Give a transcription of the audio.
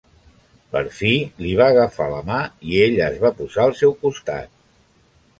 Per fi li va agafar la mà i ella es va posar al seu costat.